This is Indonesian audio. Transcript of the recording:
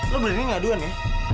lo berani ngaduan ya